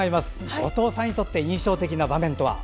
後藤さんにとって印象的な場面とは？